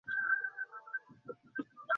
তাদের এটি করার অনুমতি দেওয়া যাবে না।